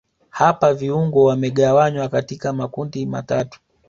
hapa viungo wamegawanywa katika makundi amtatu